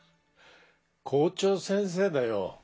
校長先生だよ。